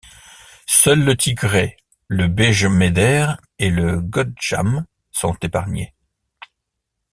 Seuls le Tigray, le Bégemeder et le Godjam sont épargnés.